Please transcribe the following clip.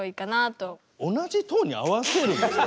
同じトーンに合わせるんですか？